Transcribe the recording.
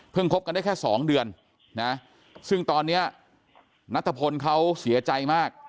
คบกันได้แค่๒เดือนนะซึ่งตอนนี้นัทพลเขาเสียใจมาก